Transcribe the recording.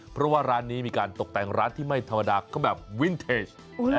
เพราะว่าร้านนี้มีการตกแต่งร้านที่ไม่ธรรมดาก็แบบวินเทจ